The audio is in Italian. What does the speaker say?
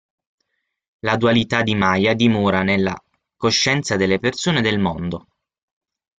La dualità di Maya dimora nella coscienza delle persone del mondo.